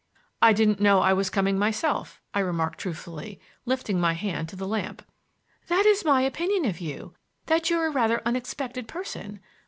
"I didn't know I was coming myself," I remarked truthfully, lifting my hand to the lamp. "That is my opinion of you,—that you're a rather unexpected person.